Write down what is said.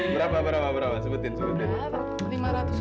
berapa berapa berapa sebutin sebetulnya